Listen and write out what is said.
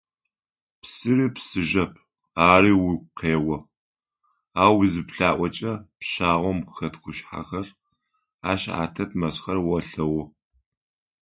Псыри псыжьэп, ари угу къео, ау узыплъаӏокӏэ, пщагъом хэт къушъхьэхэр, ащ атет мэзхэр олъэгъу.